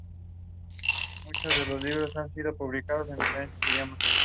Pertenece a la provincia de Valencia, en la comarca de la Ribera Alta.